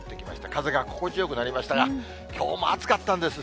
風が心地よくなりましたが、きょうも暑かったんです。